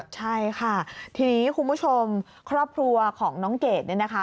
ใช่ค่ะทีนี้คุณผู้ชมครอบครัวของน้องเกดเนี่ยนะคะ